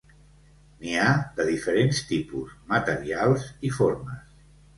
N'hi ha de diferents tipus, materials i formes.